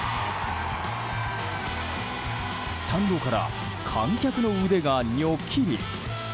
スタンドから観客の腕がニョキリ。